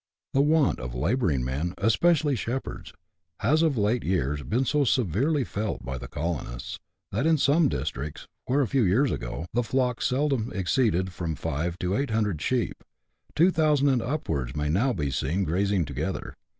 The want of labouring men, especially shepherds, has of late years been so severely felt by the colonists, that in some districts, where, a few years ago, the flocks seldom exceeded from five to eight hundred sheep, two thousand and upwards may now be seen grazing together.